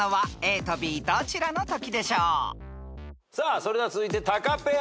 それでは続いてタカペア。